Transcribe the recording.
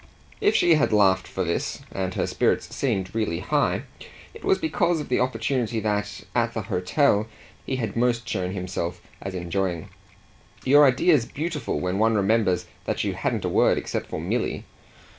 If she laughed for this and her spirits seemed really high it was because of the opportunity that, at the hotel, he had most shown himself as enjoying. "Your idea's beautiful when one remembers that you hadn't a word except for Milly."